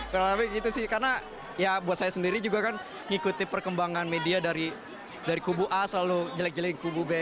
karena ya buat saya sendiri juga kan ngikuti perkembangan media dari kubu a selalu jelek jelek kubu b